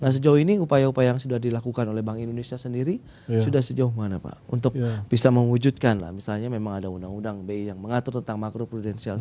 nah sejauh ini upaya upaya yang sudah dilakukan oleh bank indonesia sendiri sudah sejauh mana pak untuk bisa mewujudkan lah misalnya memang ada undang undang bi yang mengatur tentang makro prudensial